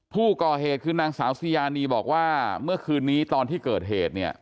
ผู้ก่อเหตุคือนางสาวซียานีบอกว่าเมื่อคืนนี้ตอนที่เกิดเหตุเนี่ย